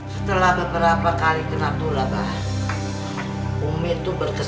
setelah beberapa kali kena tulabah umi itu berkesimpulan